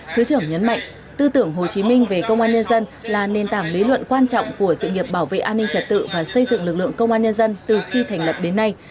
thứ trưởng nhấn mạnh tư tưởng hồ chí minh về công an nhân dân là nền tảng lý luận quan trọng của sự nghiệp bảo vệ an ninh trật tự và xây dựng lực lượng công an nhân dân từ khi thành lập đến nay